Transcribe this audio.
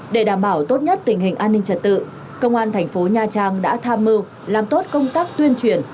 để đảm bảo tốt nhất tình hình an ninh trật tự công an thành phố nha trang đã tham mưu làm tốt công tác tuyên truyền